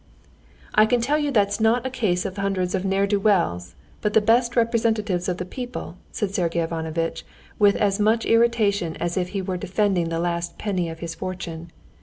"I tell you that it's not a case of hundreds or of ne'er do wells, but the best representatives of the people!" said Sergey Ivanovitch, with as much irritation as if he were defending the last penny of his fortune.